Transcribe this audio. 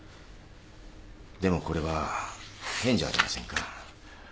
でもこれは変じゃありませんか？